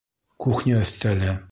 Кухня өҫтәле